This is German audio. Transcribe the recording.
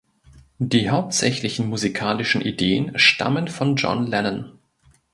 Die hauptsächlichen musikalischen Ideen stammen von John Lennon.